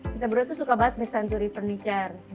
kita berdua tuh suka banget mid century furniture